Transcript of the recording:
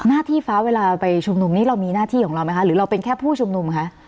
หน้าที่ฟ้าเวลาไปชุมนุมนี้เรามีหน้าที่ของเราไหมคะหรือเราเป็นแค่ผู้ชุมนุมคะ